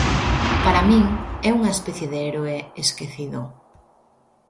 Para min é unha especie de heroe esquecido.